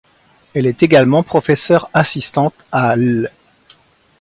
Elle est également professeur assistante à l'.